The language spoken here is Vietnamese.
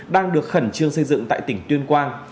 đang được khẩn trương xây dựng tại tỉnh tuyên quang